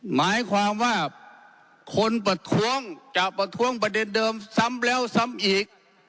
หมายความว่าคนประท้วงจะประท้วงประเด็นเดิมซ้ำแล้วซ้ำอีก